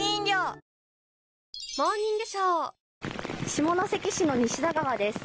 下関市の西田川です。